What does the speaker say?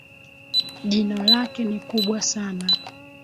jino lake ni kubwa sana